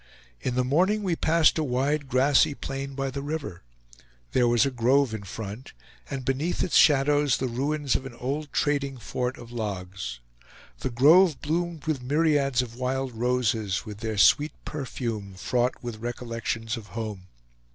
In the morning we passed a wide grassy plain by the river; there was a grove in front, and beneath its shadows the ruins of an old trading fort of logs. The grove bloomed with myriads of wild roses, with their sweet perfume fraught with recollections of home.